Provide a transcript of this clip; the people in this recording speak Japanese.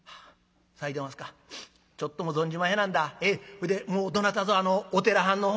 ほいでもうどなたぞお寺はんのほうには？」。